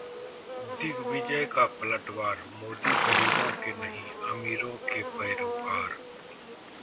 दिग्विजय का पलटवार, 'मोदी गरीबों के नहीं, अमीरों के पैरोकार'